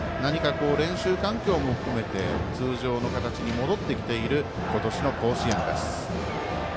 練習環境も含めて通常の形に戻ってきている今年の甲子園です。